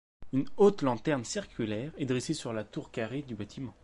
Une haute lanterne circulaire est dressée sur la tour carrée du bâtiment.